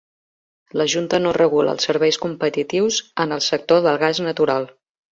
La Junta no regula els serveis competitius en el sector del gas natural.